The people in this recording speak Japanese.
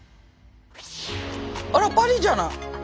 あらパリじゃない。